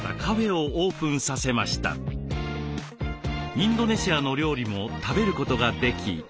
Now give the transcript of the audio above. インドネシアの料理も食べることができ